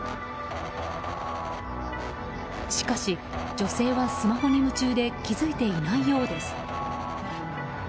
しかし、女性はスマホに夢中で気づいていないようです。